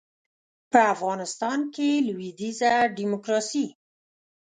په افغانستان کې لویدیځه ډیموکراسي